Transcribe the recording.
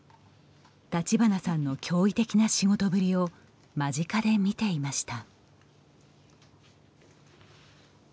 立花さんの驚異的な仕事ぶりを間近で見ていました。